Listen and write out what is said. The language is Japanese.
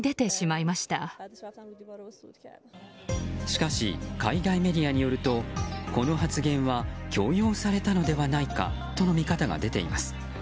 しかし、海外メディアによるとこの発言は強要されたのではないかとの見方が出ています。